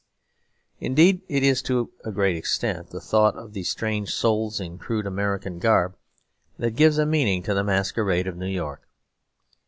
Indeed it is to a great extent the thought of these strange souls in crude American garb that gives a meaning to the masquerade of New York.